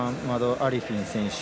アリフィン選手